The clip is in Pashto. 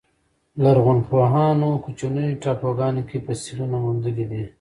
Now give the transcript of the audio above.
لرغونپوهانو کوچنیو ټاپوګانو کې فسیلونه موندلي دي.